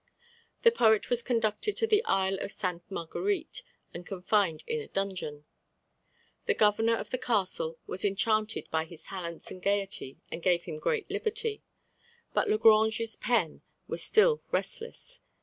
The poet was conducted to the Isle of Ste. Marguerite, and confined in a dungeon. The governor of the castle was enchanted by his talents and gaiety, and gave him great liberty. But Le Grange's pen was still restless.